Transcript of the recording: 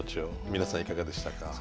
皆さんいかがでしたか？